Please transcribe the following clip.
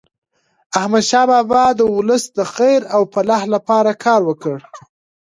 احمد شاه بابا د ولس د خیر او فلاح لپاره کار وکړ.